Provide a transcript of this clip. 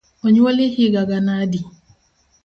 Onyuoli higa gana adi?